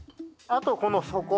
あとこの底。